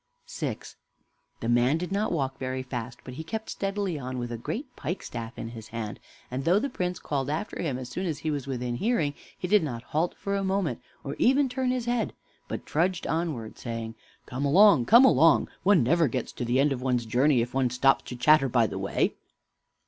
VI The man did not walk very fast, but he kept steadily on, with a great pikestaff in his hand; and though the Prince called after him as soon as he was within hearing, he did not halt for a moment, or even turn his head, but trudged onward, saying, "Come along, come along; one never gets to the end of one's journey if one stops to chatter by the way."